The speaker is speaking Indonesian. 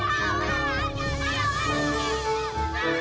jangan duduk di luar